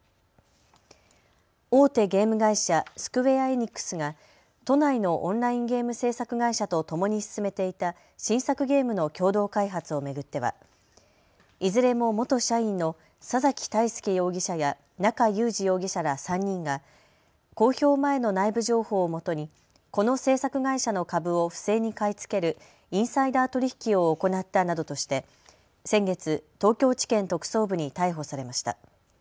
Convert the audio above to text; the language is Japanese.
大手ゲーム会社、スクウェア・エニックスが都内のオンラインゲーム制作会社とともに進めていた新作ゲームの共同開発を巡ってはいずれも元社員の佐崎泰介容疑者や中裕司容疑者ら３人が公表前の内部情報をもとに、この制作会社の株を不正に買い付けるインサイダー取引を行ったなどとして先月、東京地検特捜部に逮捕されました。